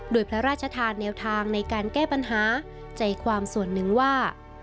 โดยพระราชทานแนวทางในการแก้ปัญหาใจความส่วนหนึ่งว่า